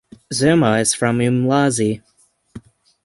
Zuma is from Umlazi.